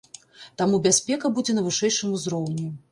Таму бяспека будзе на вышэйшым узроўні.